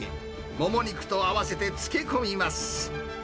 もも肉と合わせて漬け込みます。